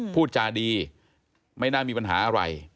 พูดจาดีไม่น่ามีปัญหาอะไร